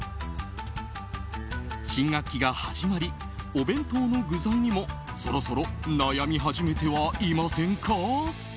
新学期が始まりお弁当の具材にもそろそろ悩み始めてはいませんか？